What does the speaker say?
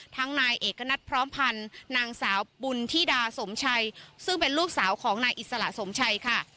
นายเอกณัฐพร้อมพันธ์นางสาวบุญธิดาสมชัยซึ่งเป็นลูกสาวของนายอิสระสมชัยค่ะ